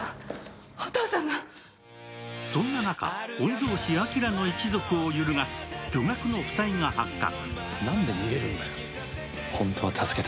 そんな中、御曹司・あきらの一族を揺るがす巨額の負債が発覚。